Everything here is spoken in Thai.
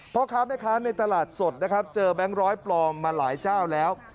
พ่อค้าแม่ค้าในตลาดสดนะครับเจอแบงค์ร้อยปลอมมาหลายเจ้าแล้ว